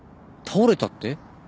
倒れたって！？